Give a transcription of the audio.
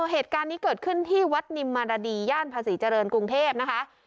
เหตุการณ์นี้เกิดขึ้นที่วัดนิมมารดีย่านภาษีเจริญกรุงเทพนะคะ